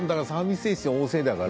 精神旺盛だから。